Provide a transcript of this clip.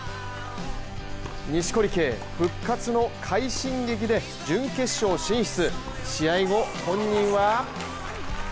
錦織圭、復活の快進撃で準決勝進出。